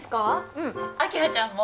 うん明葉ちゃんも？